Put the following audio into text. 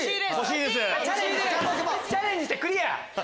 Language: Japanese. チャレンジしてクリア！